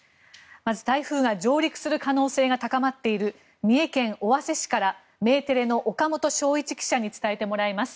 まず台風が上陸する可能性が高まっている三重県尾鷲市からメテレの岡本祥一記者に伝えてもらいます。